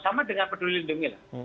sama dengan peduli lindungi lah